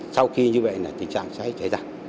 sau khi như vậy là tình trạng cháy cháy ra